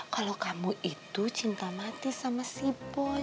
kalau kamu itu cinta mati sama si boy